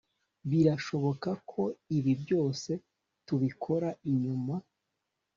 birashoboka ko ibi byose tubikora inyuma